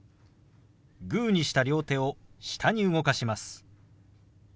グーにした両手を下に動かします。